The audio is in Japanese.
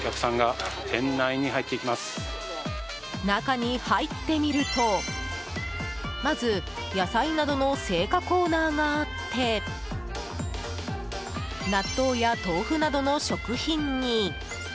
中に入ってみるとまず野菜などの青果コーナーがあって納豆や豆腐などの食品に。